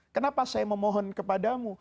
kenapa saya memohon kepadamu